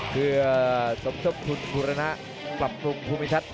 เพื่อสมทบทุนบุรณะปรับปรุงภูมิทัศน